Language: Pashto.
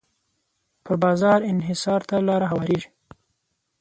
پر بازار انحصار ته لاره هواریږي.